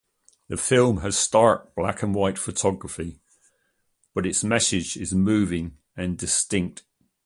The film has stark black-and-white photography, but its message is moving and distinct.